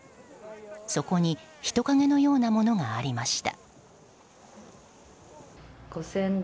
そこに人影のようなものがありました。